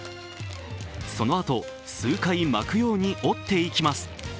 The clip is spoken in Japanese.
そのあと数回巻くように折っていきます。